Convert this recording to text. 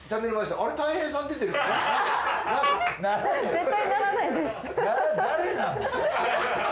絶対ならないです。